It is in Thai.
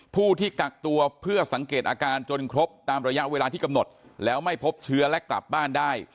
ผู้ที่กักตัวเพื่อสังเกตอาการจนครบตามระยะเวลาที่กำหนดแล้วไม่พบเชื้อและกลับบ้านได้